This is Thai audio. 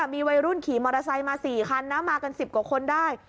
มีวัยรุ่นขี่มอเตอร์ไซค์มา๔คันนะมากัน๑๐กว่าคนได้